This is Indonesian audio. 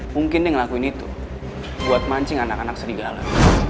mungkin dia ngelakuin itu buat mancing anak anak serigala